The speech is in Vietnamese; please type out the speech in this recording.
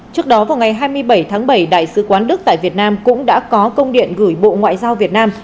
trước đó vào ngày hai mươi bảy tháng bảy đại sứ quán đức tại việt nam cũng đã có công điện gửi bộ ngoại giao việt nam